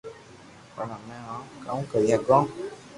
پڻ ھمي ھون ڪاوُ ڪري ھگو